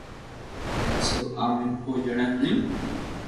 ھين سب عام مينکون جيڻي ھوڻيون